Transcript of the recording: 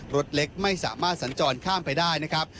รถเล็กไม่สามารถสัญจรข้ามไปได้นะครับ